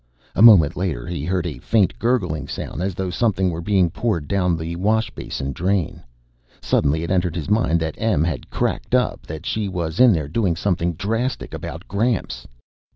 A moment later, he heard a faint gurgling sound, as though something were being poured down the washbasin drain. Suddenly, it entered his mind that Em had cracked up, that she was in there doing something drastic about Gramps.